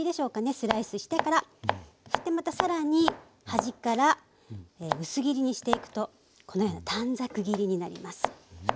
スライスしてからさらに端から薄切りにしていくとこのような短冊切りになります。